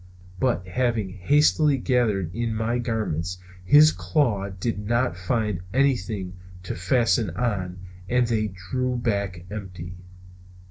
But, having hastily gathered in my garments, his claws did not find anything to fasten on and they drew back empty.